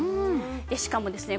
しかもですね